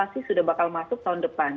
sudah bakal masuk tahun depan